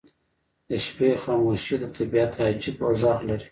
• د شپې خاموشي د طبیعت عجیب غږ لري.